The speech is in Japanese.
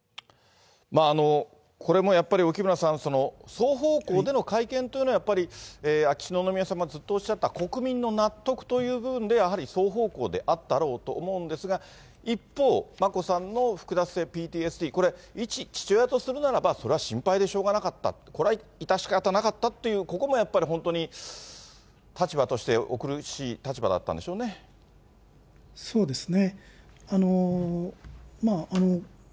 これもやっぱり沖村さん、双方向での会見というのはやっぱり、秋篠宮さま、ずっとおっしゃった国民の納得という部分でやはり双方向であったろうと思うんですが、一方、眞子さんの複雑性ＰＴＳＤ、これ、一父親とするならば、それは心配でしょうがなかった、これは致し方なかったという、ここも本当に立場としてお苦しい立そうですね。